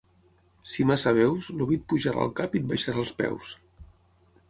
Si massa beus, el vi et pujarà al cap i et baixarà als peus.